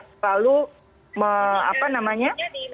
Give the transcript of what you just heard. selalu apa namanya